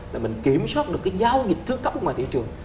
là mình kiểm soát được cái giao dịch thứ cấp ngoài thị trường